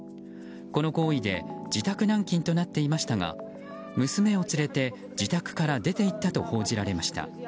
この行為で自宅軟禁となっていましたが娘を連れて自宅から出ていったと報じられました。